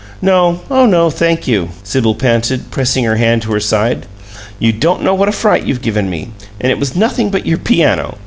"No. Oh no, thank you!" Sibyl panted, pressing her hand to her side. "You don't know what a fright you've given me! And it was nothing but your piano!"